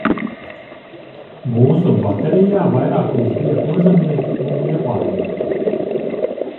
Mūsu baterijā vairākums bija kurzemnieki un liepājnieki.